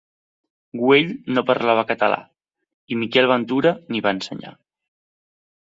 Güell no parlava català i Miquel Ventura n'hi va ensenyar.